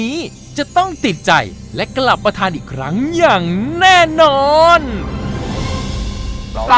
อีก๕จานนะฮะห้นเราไม่ต้องช่วยน่าแหน่มต้องใช้รออ่ะ